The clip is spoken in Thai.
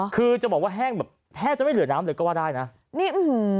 คือจะบอกว่าแห้งแบบแทบจะไม่เหลือน้ำเลยก็ว่าได้นะนี่อื้อหือ